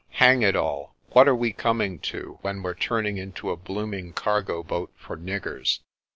Hang it all, what are we coming to, when we're turning into a blooming cargo boat for niggers?